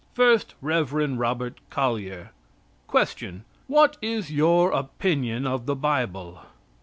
First, REV. ROBERT COLLYER: Question. What is your opinion of the Bible?